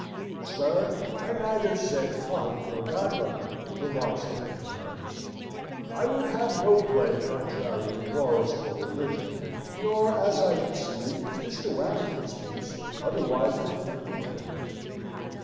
"Sir, I neither said font nor godmother!" remarks the man of letters. "I would have no play contrary to morals or religion nor, as I conceive, is Mr. Warrington's piece otherwise than friendly to them.